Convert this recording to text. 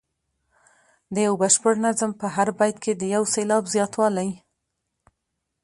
د یو بشپړ نظم په هر بیت کې د یو سېلاب زیاتوالی.